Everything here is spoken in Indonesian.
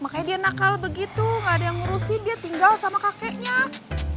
makanya dia nakal begitu gak ada yang ngurusin dia tinggal sama kakeknya